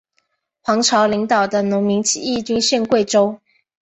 黄巢领导的农民起义军陷桂州。